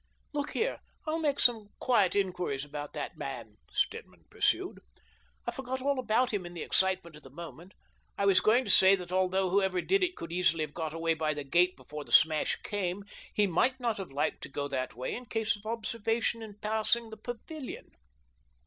" Look here, I'll make some quiet inquiries about that man," Stedman pursued. "I forgot all about him in the excitement of the moment. I was going to say that although whoever did it could easily have got away by the gate before the smash came, he might not have liked to go that 176 THE DOBEINGTON DEED BOX way in case of observation in passing the pavilion.